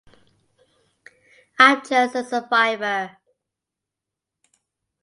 I'm just a survivor.